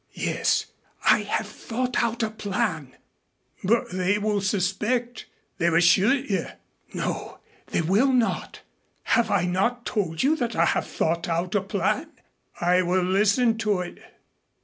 "Yes, I have thought out a plan." "But they will suspect. They will shoot you." "No, they will not. Have I not told you that I have thought out a plan?" "I will listen to it."